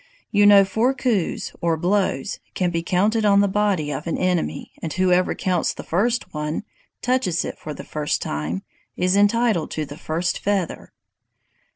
You know four coups [or blows] can be counted on the body of an enemy, and whoever counts the first one [touches it for the first time] is entitled to the 'first feather.